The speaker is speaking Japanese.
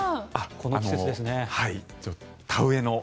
この季節ですね。